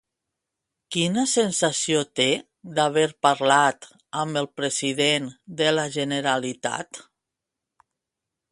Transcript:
Quina sensació té d'haver parlat amb el president de la Generalitat?